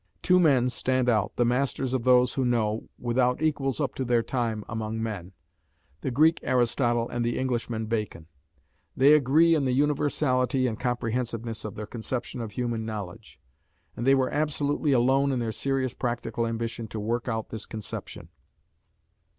Two men stand out, "the masters of those who know," without equals up to their time, among men the Greek Aristotle and the Englishman Bacon. They agree in the universality and comprehensiveness of their conception of human knowledge; and they were absolutely alone in their serious practical ambition to work out this conception.